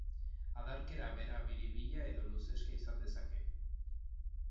Adarkera bera biribila edo luzexka izan dezake.